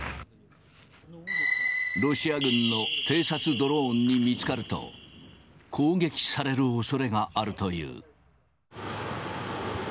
ロシア軍の偵察ドローンに見つかると、攻撃されるおそれがあるという。